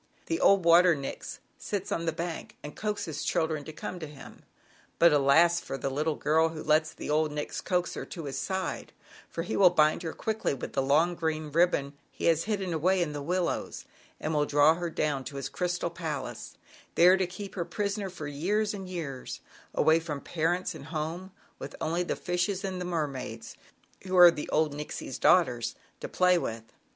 "The old Water Nix sits on the bank and coaxes children to come to him; but alas, for the little girl who lets the old Nix coax her to his side, for he will bind her quickly with the long, green ribbon e has hidden away in the willows, and will draw her down to his crystal pal ace, there to keep her prisoner fqr years and years, away from parents and home, with only the fishes and the mermaids ZAUBERLINDA, THE WISE WITCH. 63 who are the old Nixie's daughters to play with."